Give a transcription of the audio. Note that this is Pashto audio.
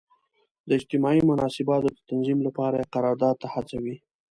د اجتماعي مناسباتو د تنظیم لپاره یې قرارداد ته هڅوي.